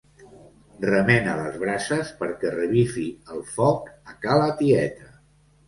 Remena les brases perquè revifi el foc a ca la tieta.